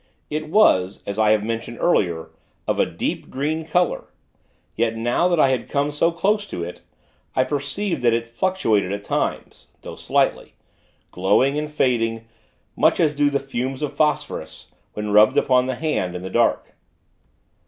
It was as I have mentioned, earlier of a deep, green color. Yet, now that I had come so close to it, I perceived that it fluctuated at times, though slightly glowing and fading, much as do the fumes of phosphorus, when rubbed upon the hand, in the dark.